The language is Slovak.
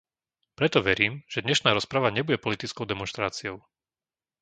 Preto verím, že dnešná rozprava nebude politickou demonštráciou.